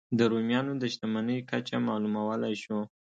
د رومیانو د شتمنۍ کچه معلومولای شو.